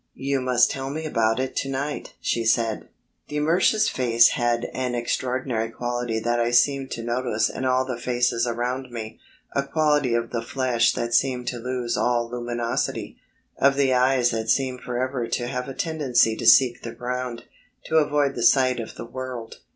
"You must tell me all about it to night," she said. De Mersch's face had an extraordinary quality that I seemed to notice in all the faces around me a quality of the flesh that seemed to lose all luminosity, of the eyes that seemed forever to have a tendency to seek the ground, to avoid the sight of the world.